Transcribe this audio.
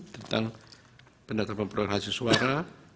tentang pendata pemperluan hasil suara